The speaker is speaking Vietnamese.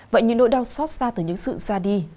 vậy những nỗi đau xót xa từ những sự ra đi